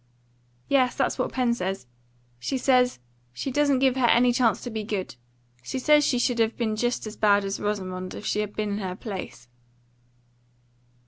"Yes, that's what Pen says. She says she doesn't give her any chance to be good. She says she should have been just as bad as Rosamond if she had been in her place."